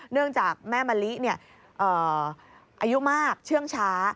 เนื่องจากแม่มะลิอายุมากเชื่องช้า